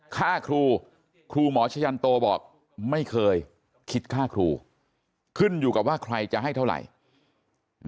ค่าครูครูหมอชะยันโตบอกไม่เคยคิดค่าครูขึ้นอยู่กับว่าใครจะให้เท่าไหร่